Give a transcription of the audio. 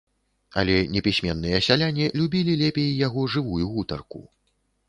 Але непісьменныя сяляне любілі лепей яго жывую гутарку.